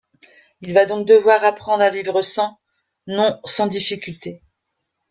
Il va donc devoir apprendre à vivre sans, non sans difficulté...